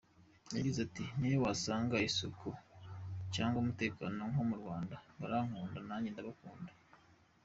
Yagize ati “Ni he wasanga isuku cyangwa umutekano nko mu Rwanda? Barankunda nanjye ndabakunda.